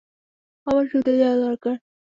আমার শুতে যাওয়া দরকার।